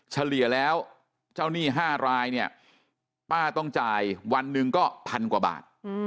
เฉลี่ยแล้วเจ้าหนี้๕รายเนี่ยป้าต้องจ่ายวันหนึ่งก็พันกว่าบาท